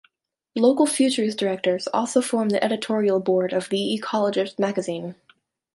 Local Futures' directors also form the editorial board of "The Ecologist" magazine.